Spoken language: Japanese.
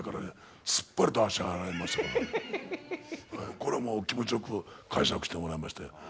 これはもう気持ちよく介錯してもらいましたよ。